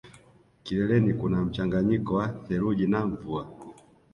Kileleni kuna mchanganyiko wa theluji na mvua